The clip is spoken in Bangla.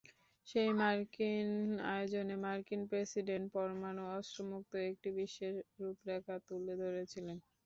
সেই আয়োজনে মার্কিন প্রেসিডেন্ট পরমাণু অস্ত্রমুক্ত একটি বিশ্বের রূপরেখা তুলে ধরেছিলেন।